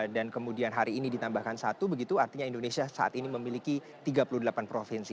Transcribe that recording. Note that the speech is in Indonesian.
dan kemudian hari ini ditambahkan satu begitu artinya indonesia saat ini memiliki tiga puluh delapan provinsi